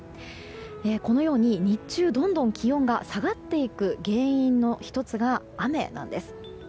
このように、日中どんどん気温が下がっていく原因の１つが雨なんです。